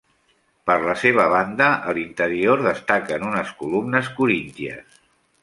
Per la seva banda a l'interior destaquen unes columnes corínties.